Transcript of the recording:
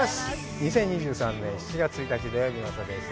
２０２３年７月１日土曜日の朝です。